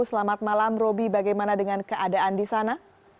selamat malam roby bagaimana dengan keadaan di sana